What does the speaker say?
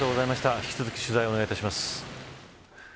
引き続き取材をお願いします。